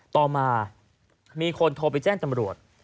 ต่อมามีคนโทรไปแจ้งตำรวจ